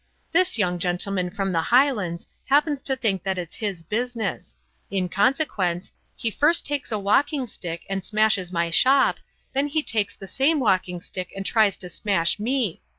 This young gentleman from the Highlands happens to think that it's his business. In consequence, he first takes a walking stick and smashes my shop; then he takes the same walking stick and tries to smash me.